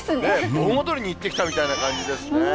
盆踊りに行ったみたいな感じですね。